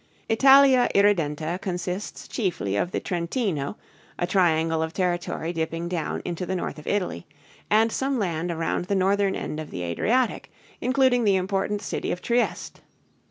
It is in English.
Italia Irredenta consists chiefly of the Trentino (tren tee´no), a triangle of territory dipping down into the north of Italy, and some land around the northern end of the Adriatic including the important city of Trieste.